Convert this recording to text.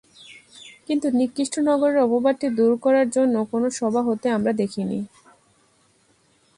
কিন্তু নিকৃষ্ট নগরীর অপবাদটি দূর করার জন্য কোনো সভা হতে আমরা দেখিনি।